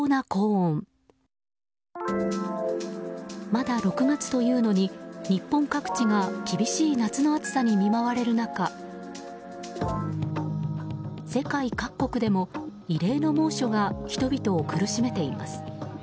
まだ６月というのに日本各地が厳しい夏の暑さに見舞われる中世界各国でも異例の猛暑が人々を苦しめています。